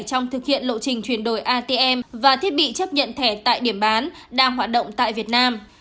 trong thực hiện lộ trình chuyển đổi atm và thiết bị chấp nhận thẻ tại điểm bán đang hoạt động tại việt nam